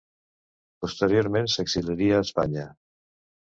Posteriorment s'exiliaria a Espanya.